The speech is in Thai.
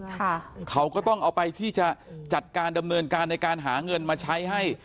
ค่ะเขาก็ต้องเอาไปที่จะจัดการดำเนินการในการหาเงินมาใช้ให้